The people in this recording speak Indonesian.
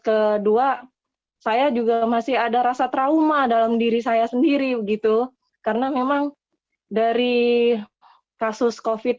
kedua saya juga masih ada rasa trauma dalam diri saya sendiri begitu karena memang dari kasus kofit